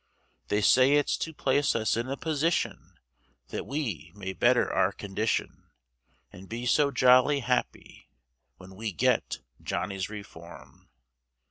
They say it's to place us in a position, That we may better our condition, And be so jolly happy When we get Johnny's Reform.